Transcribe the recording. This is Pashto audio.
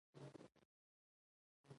سر دي څنګه دی؟ ډاکټر پوښتنه وکړه.